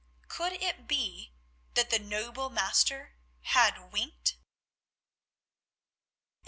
Could it be that the noble Master had winked?